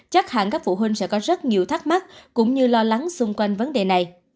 chắc hẳn các phụ huynh sẽ có rất nhiều thắc mắc cũng như lo lắng xung quanh vấn đề này